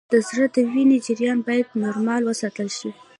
د زړه د وینې جریان باید نورمال وساتل شي